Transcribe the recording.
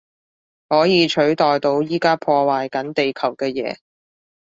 可以取代到而家破壞緊地球嘅嘢